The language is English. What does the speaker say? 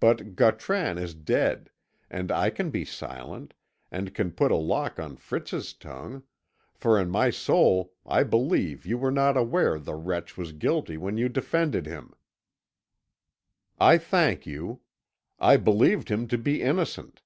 But Gautran is dead, and I can be silent, and can put a lock on Fritz's tongue for in my soul I believe you were not aware the wretch was guilty when you defended him." "I thank you. I believed him to be innocent."